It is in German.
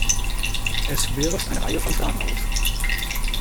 Es wirft eine Reihe von Fragen auf.